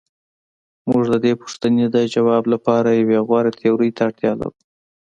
موږ د دې پوښتنې د ځواب لپاره یوې غوره تیورۍ ته اړتیا لرو.